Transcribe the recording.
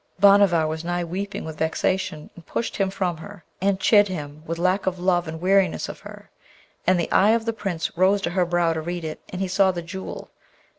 Bhanavar was nigh weeping with vexation, and pushed him from her, and chid him with lack of love and weariness of her; and the eye of the Prince rose to her brow to read it, and he saw the Jewel.